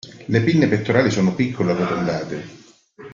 Le pinne pettorali sono piccole e arrotondate.